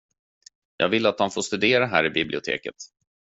Jag vill att han får studera här i biblioteket.